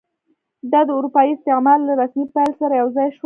دا د اروپایي استعمار له رسمي پیل سره یو ځای شول.